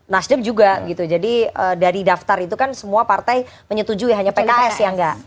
nasdem juga gitu jadi dari daftar itu kan semua partai menyetujui hanya pks yang nggak